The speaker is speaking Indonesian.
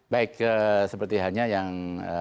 baik seperti halnya yang